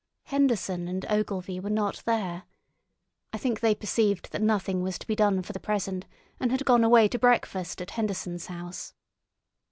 Henderson and Ogilvy were not there. I think they perceived that nothing was to be done for the present, and had gone away to breakfast at Henderson's house.